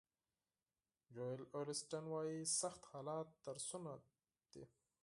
جویل اولیسټن وایي سخت حالات درسونه دي.